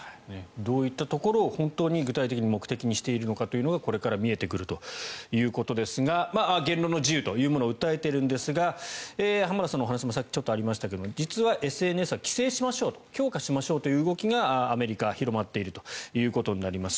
どういったところを本当に具体的に目的にしているのかがこれから見えてくるということですが言論の自由というものを訴えているんですが浜田さんのお話にもさっきありましたが実は、ＳＮＳは規制しましょう強化しましょうという動きがアメリカは広まっているということです。